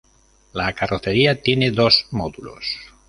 La carrocería tiene dos módulos.